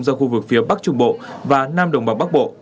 ra khu vực phía bắc trung bộ và nam đồng bằng bắc bộ